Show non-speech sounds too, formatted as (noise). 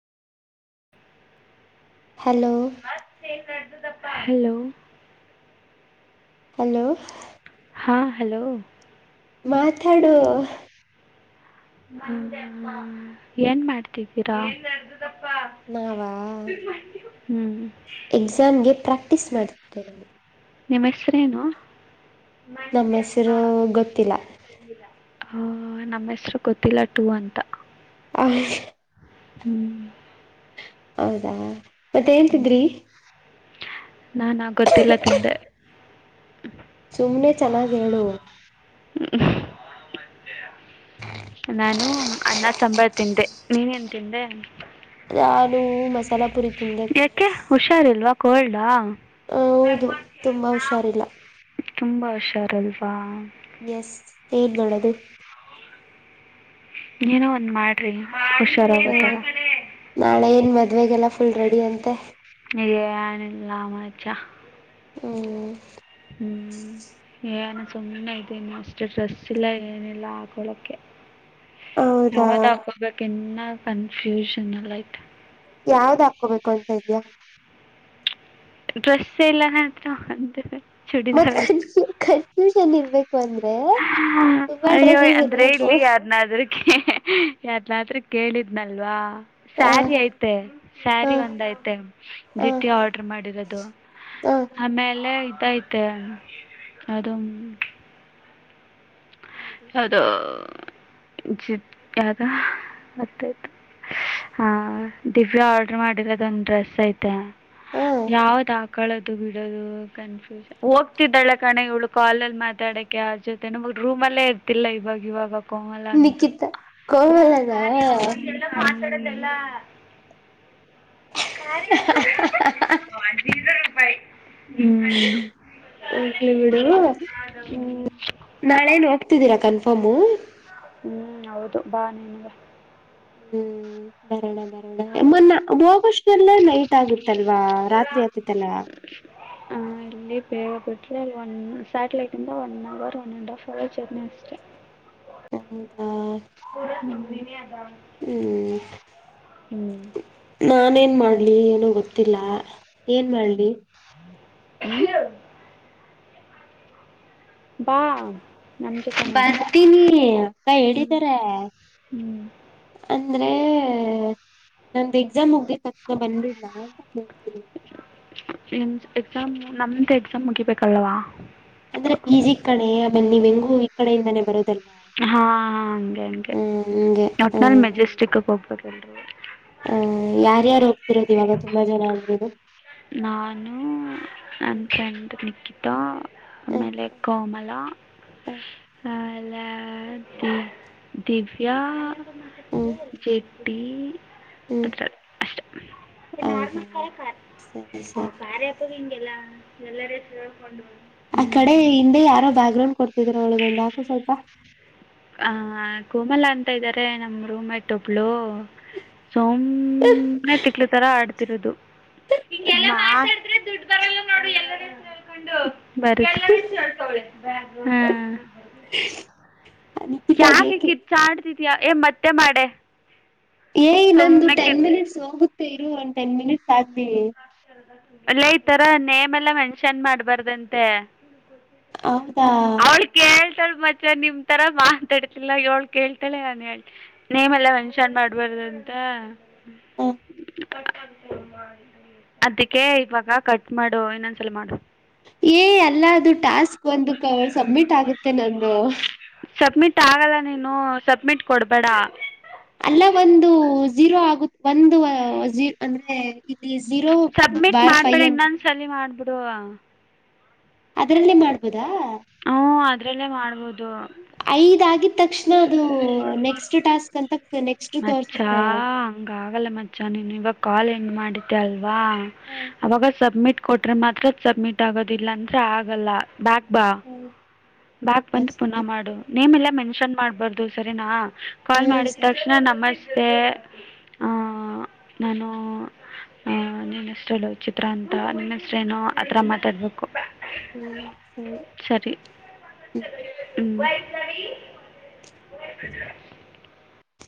Hello. Hello. Hello. ಆ hello. ಮಾತಾಡೂ. ಹ್ಮ ಏನ್ ಮಾಡ್ತಿದ್ದೀರಾ. ನಾವಾ. ಹ್ಮ್ ಎಕ್ಸಾಮ್ಗೆ ಪ್ರಾಕ್ಟೀಸ್ ಮಾಡ್ತಾ ಇದ್ದೆ. ನಿಮ್ ಹೆಸ್ರೇನು. ನಮ್ ಹೆಸರೂ ಗೊತ್ತಿಲ್ಲ. ಆ ನಮ್ ಹೆಸ್ರು ಗೊತ್ತಿಲ್ಲ ಟೂ ಅಂತ. ಆಹ್ಎ ಹ್ಮ್ ಹೌದಾ. ಮತ್ತ ಏನ್ ತಿಂದ್ರಿ. ನಾನ ಗೊತ್ತಿಲ್ಲ ತಿಂದೆ. (inaudible) ಸುಮ್ಮ್ನೆ ಚೆನ್ನಾಗ ಹೇಳು. ಹ್ಮ್ ನಾನು ಅನ್ನ ಸಾಂಬಾರ್ ತಿಂದೆ ನೀನೇನ್ ತಿಂದೆ. ನಾನು ಮಸಾಲಾ. ಯಾಕೆ ಹುಷಾರಿಲ್ವಾ. ಕೋಲ್ಡಾ. ಹ ಹೌದು ತುಂಬಾ ಹುಷಾರಿಲ್ಲ. ತುಂಬಾ ಹುಷಾರಿಲ್ವಾ. ಯಸ್ ಏನ್ ಮಾಡೋದು. ಏನೋ ಒಂದ್ ಮಾಡ್ರಿ. ಹುಷಾರಾಗೋತರ. ನ್ ಮದುವೆಗೆಲ್ಲ ಫುಲ್ ರೆಡಿ ಅಂತೆ. ಏನಿಲ್ಲ ಮಚ್ಚಾ. ಹ್ಮ. ಹ್ಮ್ ಏನ ಸುಮ್ಮನೆ ಇದಿನಿ ಅಷ್ಟೆ ಡ್ರೆಸ್ ಇಲ್ಲ ಏನಿಲ್ಲ ಹಾಕೊಳಕ್ಕೆ. ಹೌದಾ ನಾವ ದಾಕೋಬೇಕ. ಇನ್ನ ಕನ್ಫ್ಯೂಷನಲ್ ಐತಿ. ಯಾವ್ದ್ ಹಾಕೋಬೇಕು ಅಂತ ಇದ್ಯಾ. ಡ್ರೆಸ್ ಏ ಇಲ್ಲ ನನ್ ಹತ್ರ ಅಂತಿದೆ. ಮತ್ ಹ್ಮ ಹ್ಮ ಕನ್ಫ್ಯೂಷನ ಇರ್ಬೇಕು. ಅಂದ್ರೆ ಹಾ ತುಂಬಾ ಅಯ್ಯೋ ಡ್ರೆಸ್ಸಸ್ ಅಂದ್ರೆ ಇರ್ಬೇಕು ಇಲ್ಲಿ ಯಾರನಾದ್ರಕೆ ಯಾರನಾದ್ರ. ಕೇಳಿದ್ನಲ್ವಾ. ಹ ಸ್ಯಾರಿ ಐತೆ ಹಾ ಸ್ಯಾರಿ ಒಂದ ಐತೆ ಹಾ ಜಿಟ್ಟಿ ಆರ್ಡರ್ ಮಾಡಿರೋದು ಹಾ ಆಮೇಲೆ ಇದ. ಮತ್ತ ಅದು. ಅದು. ಜಿ ಯ್ದ ಮತ್ತಾಯ್ತ ಹ ದಿವ್ಯಾ ಆರ್ಡ್ರ ಮಾಡಿರೋದೊಂದ ಡ್ರೆಸ್ ಐತೆ ಹಾ ಯಾವ್ದ್ ಹಾಕಳೋದು ಬಿಡೋದು ಕನ್ಫ್ಯೂಶನ್ ಹೋಗ್ತಿದ್ದಾಳ ಕಣೆ ಇವಳು ಕಾಲಲ್ಲಿ ಮಾತಾಡಕ್ಕೆ ಯಾರಜೊತೇನು ಮೂರ್. ರೂಮ್ ಅಲ್ಲೇ ಇರ್ತಿಲ್ಲ ಇವಾಗ ಇವಾಗ. ಕೋಮಲ ಅಂತರು. ನಿಖಿತ ಕೋಮಲನ (unintelligible) ಹ್ಮ್ ಹೋಗ್ಲಿ ಬಿಡು ಹ್ಮ ನಾಳೆ ನೋ ಗ್ತಿದ್ದೀರಾ ಕನ್ಫರ್ಮು. ಹ್ಮ್ ಹೌದು ಬಾ ನೀನುವೆ. ಬರಣ ಬರಣ ಮೊನ್ನ ಹೋಗಷ್ಟೆಲ್ಲ ನೈಟ್ ಆಗುತ್ತಲ್ಲ. ಬಾ ರಾತ್ರಿ ಆತತ್ತಲ್ಲ. ಬಿಟ್ರೆ ಒನ್ ಸ್ಯಾಟಲೈಟ್ ಇಂದ one hour one and half hour journey ಅಷ್ಟೆ. (unintelligible) (unintelligible) ಹ್ಮ್ ಹ್ಞೂ ನಾನೇನ್ ಮಾಡ್ ಲ್ಲಿ ಏನು ಗೊತ್ತಿಲ್ಲ. ಏನ್ ಮಾಡ್ಲಿ. (unintelligible) ಬಾ ನಮ್ಮ ಜೊತೆನೇ ಬರ್ತೀನೀ. (unintelligible) ಕೈ ಹ್ಞೂ ಹಿಡಿತಾರೆ (unintelligible) ಹ್ಞೂ ಅಂದ್ರೆ ನಮ್ದ ಎಕ್ಸಾಮ್ ಮುಗ್ದಿದ್ ತಕ್ಷಣ ಬಂದ್ಬಿಡ್ಲ ಅಂತ ಕೇಳ್ತನಿ. ನಿಮ್ದ್ ಎಕ್ಸಾಮ್ ನಮ್ದು ಎಕ್ಸಾಮ್ ಮುಗಿಬೇಕಲ್ವಾ. ಅಂದ್ರೆ ಪಿ ಜಿ ಕಣೆ. ನೀವು ಹೆಂಗು ಈ ಕಡೆ ಇಂದನೆ ಬೇರೊದಲ್ಲವ. ಹಾ ಹಂಗೆ ಹಂಗೆ ಹಂಗೆ ಒಟ್ನಲ್ಲಿ ಮೆಜೆಸ್ಟಿಕ್ಗ ಹೋಗ್ಬಾರ್ (unintelligible) ಹ್ಮ ಯಾರ್ಯಾರು ಹೋ (unintelligible) ನಾನು ನನ್ ಫ್ರೆಂಡ್ ನಿಕ್ಕಿ. ಡಾ ಹ್ಮ್ ಅಮೇಲೆ ಕೋಮಲ ಹ ಲೆ ಹಾ ದಿವ್ ದಿವ್ಯಾ ಹ್ಮ್ ಹ್ಮ್ (unintelligible) ವೇಟ್ ಟೀ ಹ್ಮ್ ಅಸ್ಟೇ ಹೌದ (unintelligible) ಸರಿ ಆ ಸರಿ ಕಾರ್ಯ ಆಪ್ ದಗ ಇಂಗಿಲ್ಲ. ದ ಎಲ್ಲರೆ ಕೇಳ್ಕೊಂಡು ಹ ಆ ಕಡೆ ಹಿಂದೆ ಯಾರೋ ಬ್ಯಾಕ್ ಗ್ರೌಂಡ್ ಕೊಡ್ತಿದರ ಅವ್ಳಿಗೊಂದ್ ಹಾಕು ಸ್ವಲ್ಪ. ಆಹ ಕೋಮಲ ಅಂತ ಇದರೆ ನಮ್ ರೂಮೇಟ್ ಒಬ್ಳು ಸುಮ್ ನೇ ತಿಕ್ಲು ತರ ಆಡ್ತಿರೋದು. ಯಾ (unintelligible) ಬರುತ್ತೆ (unintelligible) ಹ ನಿಕಿತಾಗ ಯಾಕೆ ಏಕೆ ಕಿರ್ಚಾಡ್ ತಿದ್ಯಾ ಎ ಮತ್ತೆ ಮಾಡೆ. ಏಯ್ ನಂದು ಸುಮ್ಮನೆ ಟೆನ್ ಮಿನಿಟ್ಸ್ ಹೋಗು ತ್ತೆ ಇರು ಒಂದ್ ಟೆನ್ ಮಿನಿಟ್ (unintelligible) ಅಲ್ಲೇ ಈ ತರ ನೇಮ್ ಎಲ್ಲಾ ಮೆನ್ಷನ್ ಮಾಡ್ಬಾರ್ದಂತೆ. ಹೌದಾ ತಳ್ ಮಚ ನಿಮ್ ತರ ಮಾತಾಡ್ತಿಲ್ಲ ಏಳ್ ಕೇಳ್ತಳೆ ನಾನ್ ಹೇಳ್ತ ನೇಮೆಲ್ಲ ಮೆನ್ಷನ್ ಮಾಡ್ಬಾರ್ದ ಅಂತೆ ಹ (unintelligible) (unintelligible) ಅದಕ್ಕೆ ಇವಾಗ ಕಟ್ ಮಾಡು ಇನ್ನೊಂದ್ಸಲ ಮಾಡು. ಏ ಎಲ್ಲ ಅದು ಟಾಸ್ಕ್ ಒಂದು ಸಬ್ಮಿಟ್ ಆಗುತ್ತೆ ನಂದು. ಸಬ್ಮಿಟ್ ಆಗಲ್ಲ ನೀನು ಸಬ್ಮಿಟ್ ಕೊಡ್ಬೇಡ. ಅಲ್ಲ ಒಂದು ಜೀರೋ ಆಗುತ್ ಒಂದು ಹ ಜೀ ಅಂದ್ರೆ ಇ ಸಬ್ಮಿಟ್ ಮಾಡ್ಬೇಡ ಇನ್ನೊಂದ್ ಸಲಿ ಮಾಡ್ ಬು ಡೂ ಅದರಲ್ಲೆ ಮಾಡ್ಬೋದ ಹ್ಮ್ ಅದ್ರಲ್ಲೇ ಮಾಡ್ಬೋದು. ಐದ್ ಆಗಿದ ತಕ್ಷಣ ಅದು ನೆಕ್ಸ್ಟ್ ಟಾಸ್ಕ್ ಕತ ಮಚ್ಚ ಹಂಗ ಆಗಲ್ಲ ಮಚ್ಚ ನೀನು ಇವಗ್ ಕಾಲ್ ಹೆಂಗ್ ಮಾಡಿದ್ದ ಅಲ್ ವ ಹಾ ಅವಗ ಸಬ್ಮಿಟ್ ಕೊಟ್ರೆ ಮಾತ್ರ ಸಬ್ಮಿಟ್ ಆಗೋದು ಇಲ್ಲ ಅಂದ್ರೆ ಆಗಲ್ಲ ಬ್ಯಾಕ್ ಬಾ ಹೌದು (unintelligible) ಬ್ಯಾಕ್ ಹಾ ಬಂದು ಪುನಃ ಸರಿ ಮಾಡು. ನೇಮ್ ಎಲ್ಲ ಮೆನ್ಷನ್ ಮಾಡ್ಬಾರ್ದು ಸರಿನಾ. ಹಾ ಕಾಲ್ ಮಾಡಿ ಸರಿ ತಕ್ ಮಶ್ ಏ ಹ್ಮ್ ನಾನು ಹ ನನ್ನೆಸ್ರು ರಚಿತ ಅಂತ ನೀನೆಸರೇನು ಆತರ ಮಾತಾಡ್ಬೇಕು. ಹ್ಮ್ ಸರಿ (unintelligible) ಹ್ಮ (unintelligible)